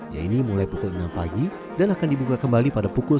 ia ini mulai pukul enam pagi dan akan dibuka kembali pada pukul sepuluh